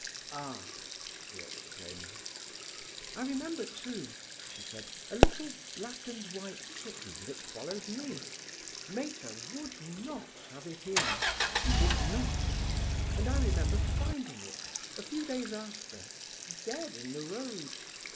"Ah!" he exclaimed. "I remember, too," she said, "a little black and white kitten that followed me. Mater would not have it in—she would not. And I remember finding it, a few days after, dead in the road.